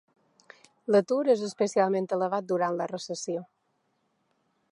L'atur és especialment elevat durant una recessió.